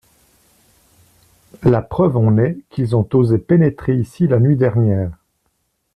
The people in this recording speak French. La preuve en est qu'ils ont osé pénétrer ici la nuit dernière.